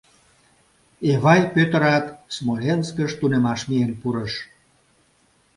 Эвай Пӧтырат Смоленскыш тунемаш миен пурыш.